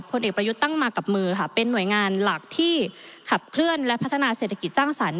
ผลเอกประยุทธ์ตั้งมากับมือค่ะเป็นหน่วยงานหลักที่ขับเคลื่อนและพัฒนาเศรษฐกิจสร้างสรรค